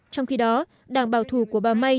trong khi đó đảng bảo thủ của bà may